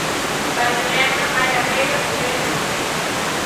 Baixo o lema "Máis labregas, mellores alimentos".